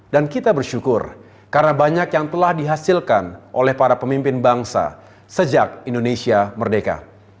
dan kita bersyukur karena banyak yang telah dihasilkan oleh para pemimpin bangsa sejak indonesia merdeka